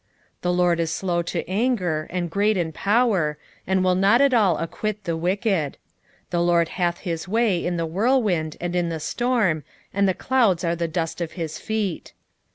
1:3 The LORD is slow to anger, and great in power, and will not at all acquit the wicked: the LORD hath his way in the whirlwind and in the storm, and the clouds are the dust of his feet.